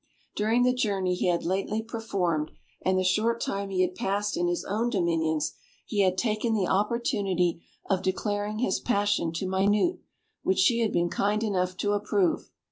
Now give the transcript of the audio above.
During the journey he had lately performed, and the short time he had passed in his own dominions, he had taken the opportunity of declaring his passion to Minute, which she had been kind enough to approve.